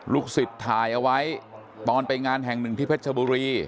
สิทธิ์ถ่ายเอาไว้ตอนไปงานแห่งหนึ่งที่เพชรชบุรี